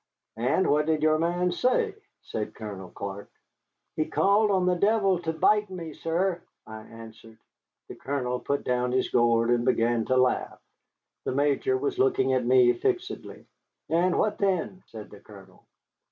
"And what did your man say?" said Colonel Clark. "He called on the devil to bite me, sir," I answered. The Colonel put down his gourd and began to laugh. The Major was looking at me fixedly. "And what then?" said the Colonel.